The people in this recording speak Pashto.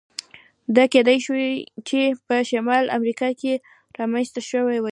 دا کېدای شوای چې په شمالي امریکا کې رامنځته شوی وای.